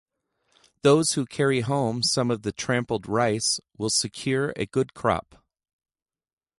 Those who carry home some of the trampled rice will secure a good crop.